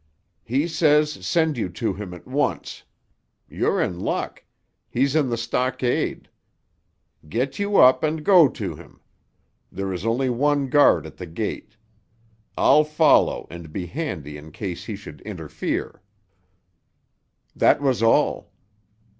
"He says send you to him at once. You're in luck. He's in the stockade. Get you up and go to him. There is only one guard at the gate. I'll follow and be handy in case he should interfere." That was all.